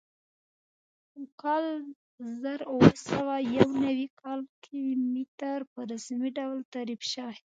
په کال زر اووه سوه یو نوي کې متر په رسمي ډول تعریف شوی.